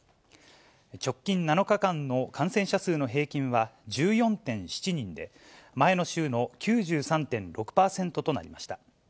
直近７日間の感染者数の平均は１４．７人で、前の週の９３．６％となりました。